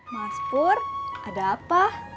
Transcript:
mas pur ada apa